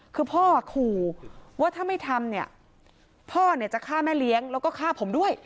คือพ่อขู่ว่าถ้าไม่ทำเนี่ยพ่อเนี่ยจะฆ่าแม่เลี้ยงแล้วก็ฆ่าผมด้วย